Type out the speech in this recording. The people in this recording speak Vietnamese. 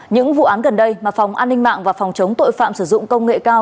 những vụ án gần đây mà phòng an ninh mạng và phòng chống tội phạm sử dụng công nghệ cao